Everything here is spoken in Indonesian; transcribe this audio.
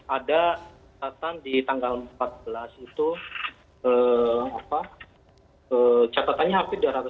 ada catatan di tanggal empat belas itu